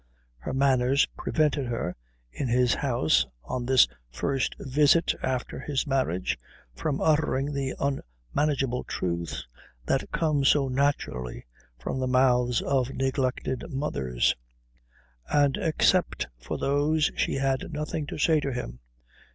Her manners prevented her, in his house on this first visit after his marriage, from uttering the unmanageable truths that come so naturally from the mouths of neglected mothers; and except for those she had nothing to say to him.